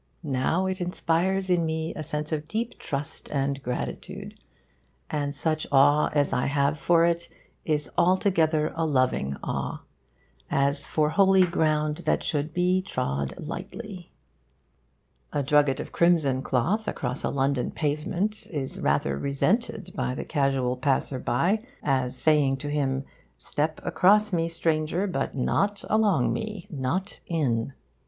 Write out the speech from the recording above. now it inspires in me a sense of deep trust and gratitude; and such awe as I have for it is altogether a loving awe, as for holy ground that should he trod lightly. A drugget of crimson cloth across a London pavement is rather resented by the casual passer by, as saying to him 'Step across me, stranger, but not along me, not in!